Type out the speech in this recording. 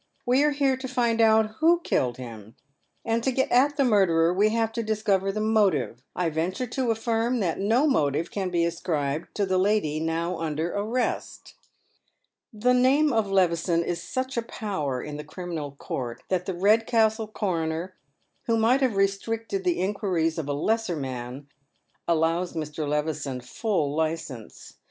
We are here to find out who killed him, — and to get at the murderer we have to discover the motive. I venture to affirm that no motive can be ascribed to the lady now under arrest." The name of Levison is such a power in the criminal court that the Redcastle coroner, who might have restricted the inquiries of a lesser man, allows Mr. Levison full licence.